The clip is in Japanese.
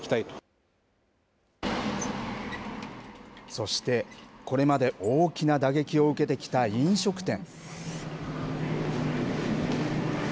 そして、これまで大きな打撃を受けてきた飲食店。